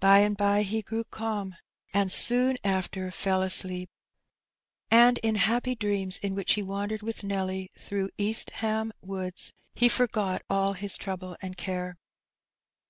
By and bye he grew calm^ 202 Heb Benny. and soon after fell asleep; and in happy dreams^ in which he wandered with Nelly through T^iiwtliMn Woods^ he forgot all his troable and care.